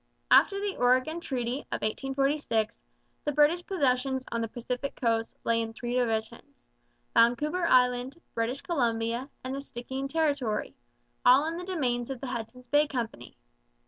After the Oregon Treaty of 1846 the British possessions on the Pacific coast lay in three divisions, Vancouver Island, British Columbia, and the Stikeen Territory, all in the domains of the Hudson's Bay Company.